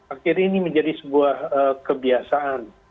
akhirnya ini menjadi sebuah kebiasaan